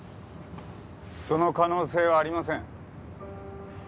その可能性はありません。